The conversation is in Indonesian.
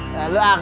nah lu ang